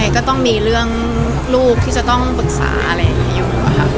ก็ต้องมีเรื่องลูกที่จะต้องปรึกษาอะไรอยู่